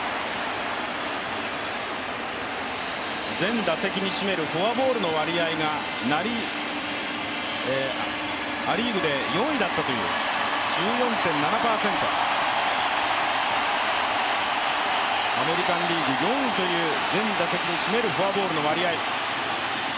全打席に占めるフォアボールの割合がア・リーグで４位だったという１４．７％、アメリカン・リーグ４位という全打席に占めるフォアボールの割合。